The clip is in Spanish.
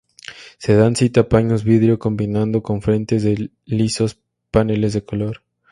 Se dan cita paños de vidrio combinado con frentes de lisos paneles de color.